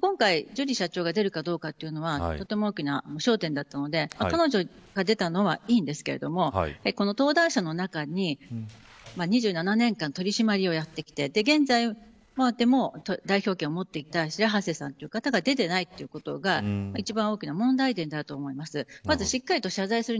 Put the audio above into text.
今回、ジュリー社長が出るかどうかというのはとても大きな焦点だったので彼女が出たのはいいんですけどこの登壇者の中に２７年間取り締まりをやってきて現在でも代表権を持っている白波瀬さんが出ていないということが一番大きな問題点だと思います。